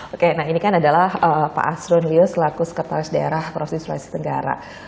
oke nah ini kan adalah pak asron lius laku sekretaris daerah provinsi sulawesi tenggara